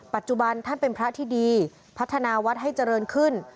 ปัจจุบันท่านเป็นพระที่ดีพัฒนาวัดให้เจริญขึ้น